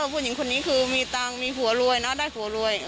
ผู้หญิงคนนี้มีเงินอะได้ผัวเรวย